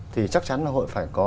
thì chắc chắn là hội phải có